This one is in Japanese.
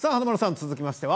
続きましては。